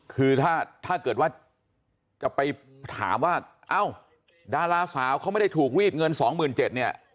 คือถ้าเกิดว่าจะไปถามว่าเอ้าดาราสาวเขาไม่ได้ถูกรีดเงิน๒๗๐๐เนี่ย